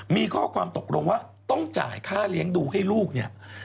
มีข้อความตกลงว่าต้องจ่ายค่าเลี้ยงดูให้ลูกเนี่ย